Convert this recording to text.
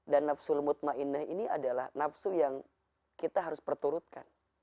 dan nafsu lemut ma'inah ini adalah nafsu yang kita harus perturutkan